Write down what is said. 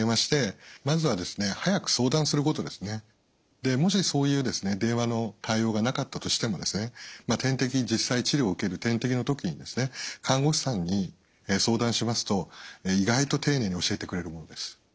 でもしそういう電話の対応がなかったとしても点滴実際治療を受ける点滴の時に看護師さんに相談しますと意外と丁寧に教えてくれるものです。